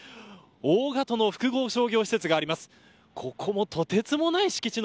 大型の複合商業施設があります。